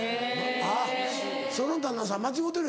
あぁその旦那さん間違うてる。